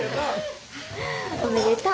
おめでとう。